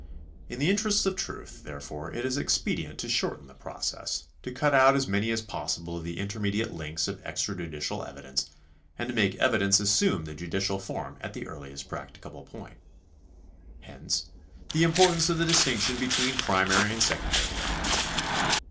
In the interests of truth, therefore, it is ex pedient to shorten the process, to cut out as many as possible of the intermediate links of extrajudicial evidence, and to make evidence assume the judicial form at the earliest practicable point. Hence the importance of the distinction between primary and secondary evidence.